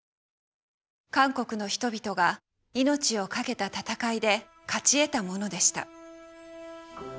韓国の人々が命を懸けた闘いで勝ちえたものでした。